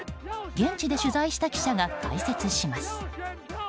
現地で取材した記者が解説します。